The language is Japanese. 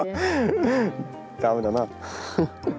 駄目だな。